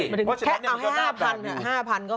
เพราะฉะนั้นมันก็ตาก่าวดี